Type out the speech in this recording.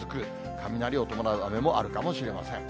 雷を伴う雨もあるかもしれません。